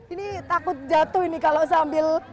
ini takut jatuh ini kalau sambil